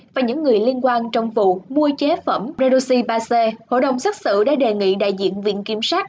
và những người liên quan trong vụ mua chế phẩm redoxy ba c hộ đồng xác xử đã đề nghị đại diện viện kiểm sát